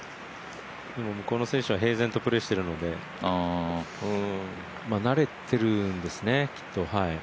でも向こうの選手は平然とプレーしているので慣れてるんですね、きっと。